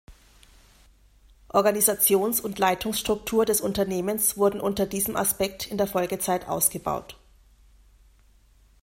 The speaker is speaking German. Organisations- und Leitungsstruktur des Unternehmens wurden unter diesem Aspekt in der Folgezeit ausgebaut.